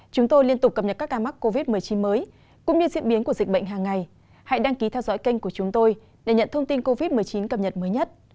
các bạn hãy đăng ký kênh của chúng tôi để nhận thông tin cập nhật mới nhất